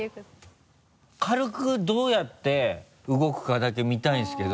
軽くどうやって動くかだけ見たいんですけど。